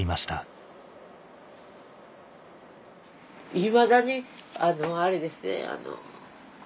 いまだにあれですね。